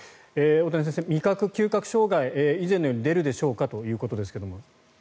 大谷先生、味覚・嗅覚障害以前のように出るでしょうか？ということですが。